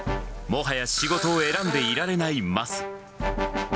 もはや仕事を選んでいられない桝。